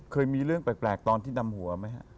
เคยมีเรื่องแปลกตอนที่นำหัวไหมฮะ